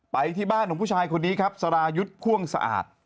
ไปที่บ้านของผู้ชายคนนี้ครับสรายุทธ์พ่วงสะอาด